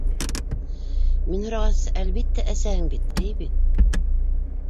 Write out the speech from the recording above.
Мин һорағас, әлбиттә, әсәһең бит, эйе бит?